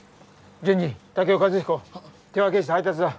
順次健男和彦手分けして配達だ。